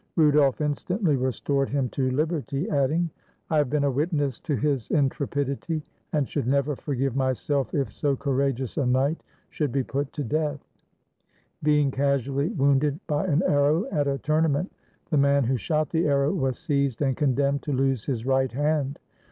Rudolf instantly restored him to lib erty, adding, "I have been a witness to his intrepidity, and should never forgive myself if so courageous a knight should be put to death," Being casually wounded by an arrow at a tournament, the man who shot the arrow was seized and condemned to lose his right hand.